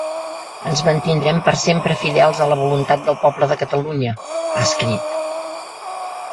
Ens mantindrem per sempre fidels a la voluntat del poble de Catalunya, ha escrit.